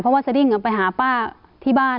เพราะว่าสดิ้งไปหาป้าที่บ้าน